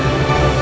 wah kesempatan aja